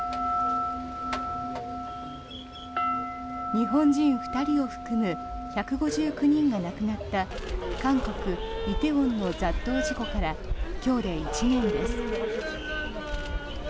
日本人２人を含む１５９人が亡くなった韓国・梨泰院の雑踏事故から今日で１年です。